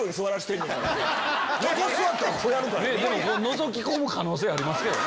のぞき込む可能性ありますけどね。